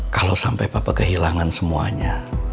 kalau sampai papa kehilangan semuanya